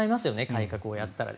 改革をやったら。